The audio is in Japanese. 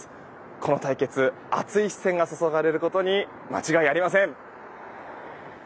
この対決熱い視線が注がれること間違いありません！